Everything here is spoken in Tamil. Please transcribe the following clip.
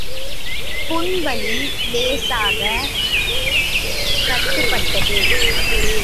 புண் வலி லேசாகக் கட்டுப்பட்டது.